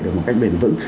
được một cách bền vững